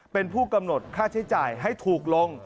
เป็นผู้กำหนดค่าใช้จ่ายให้ถูกลง